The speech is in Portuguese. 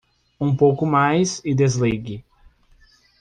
Um pouco mais e desligue.